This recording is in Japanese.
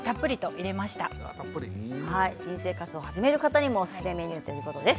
新生活を始める方にもおすすめということです。